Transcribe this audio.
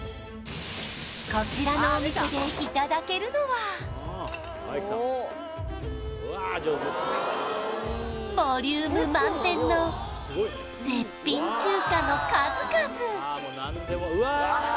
こちらのお店でいただけるのはボリューム満点の絶品中華の数々！